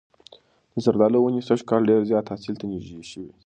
د زردالو ونې سږ کال ډېر زیات حاصل ته نږدې شوي دي.